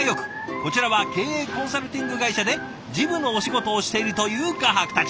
こちらは経営コンサルティング会社で事務のお仕事をしているという画伯たち。